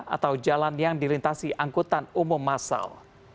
atau jalan yang dilintasi angkutan umum masal